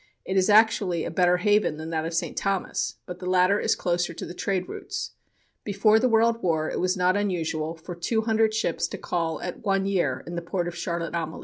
It is actually a better haven than that of St. Thomas, but the latter is closer to the trade routes. Before the World War it was not unusual for two hundred ships to call in one year at the port of Charlotte Amalie.